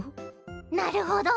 なるほど。